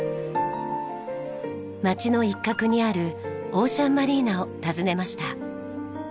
街の一角にあるオーシャンマリーナを訪ねました。